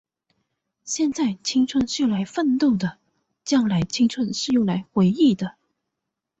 现在，青春是用来奋斗的；将来，青春是用来回忆的。